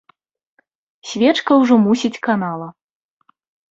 Свечка ўжо мусіць канала.